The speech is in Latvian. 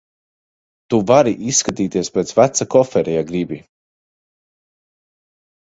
Tu vari izskatīties pēc veca kofera, ja gribi.